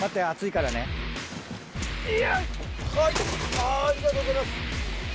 ありがとうございます。